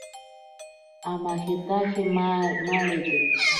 Amajetaje maaroiteni.